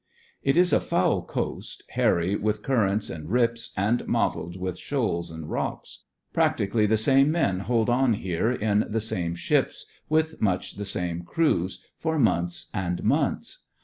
It is a foul coast, hairy with cur rents and rips, and mottled with shoals and rocks. Practically the same men hold on here in the same 108 THE FRINGES OF THE FLEET ships, with much the same crews, for months and months.